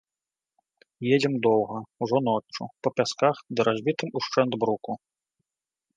Едзем доўга, ужо ноччу, па пясках ды разбітым ушчэнт бруку.